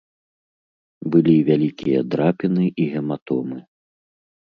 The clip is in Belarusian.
Былі вялікія драпіны і гематомы.